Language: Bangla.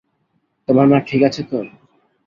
তোমার মা ঠিক আছে তো?